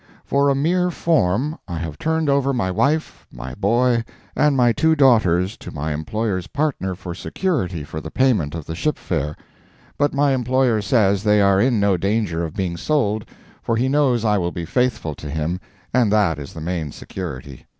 For a mere form, I have turned over my wife, my boy, and my two daughters to my employer's partner for security for the payment of the ship fare. But my employer says they are in no danger of being sold, for he knows I will be faithful to him, and that is the main security.